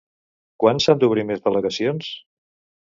Quan s'han d'obrir més delegacions?